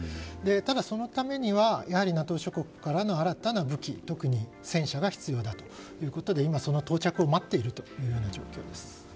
ただ、そのためにはＮＡＴＯ諸国からの新たな武器特に戦車が必要ということで今その到着を待っている状況です。